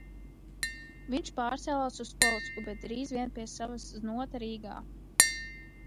Viņš pārcēlās uz Polocku, bet drīz vien pie sava znota Rīgā.